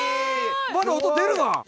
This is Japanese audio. まだ音出るわ！